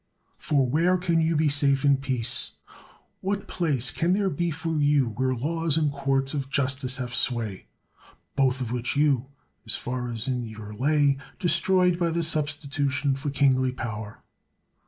For where can you be safe in peace ? What place can there be for you where laws and courts of justice have sway, both of which you, as far as in you lay, destroyed by the substitution of 194 CICERO kingly power?